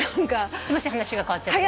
すいません話が変わっちゃって。